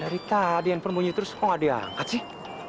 dari tadi handphone bunyi terus kok nggak diangkat sih